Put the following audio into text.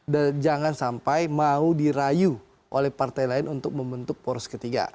dan jangan sampai mau dirayu oleh partai lain untuk membentuk poros ketiga